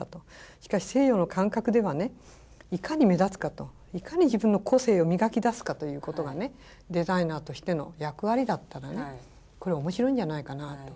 しかし西洋の感覚ではいかに目立つかといかに自分の個性を磨き出すかということがデザイナーとしての役割だったらこれ面白いんじゃないかなあと。